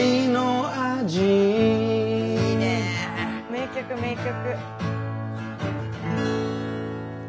名曲名曲。